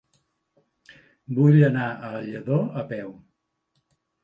Vull anar a Lladó a peu.